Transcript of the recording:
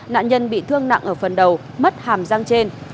nạn nhân bị thương nặng ở phần đầu mất hàm răng trên